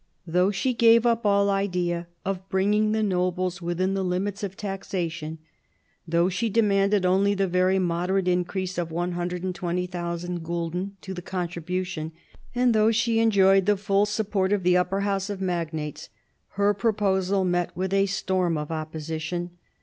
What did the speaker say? Though she gave up all idea of bringing the nobles within the limits of taxation, though she demanded only the very moderate increase of 120,000 gulden to the contribution, and though she enjoyed the full support of the Upper House of Magnates, her proposal met with a storm of opposition.